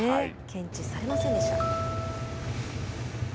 検知されませんでした。